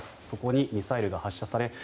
そこにミサイルが発射され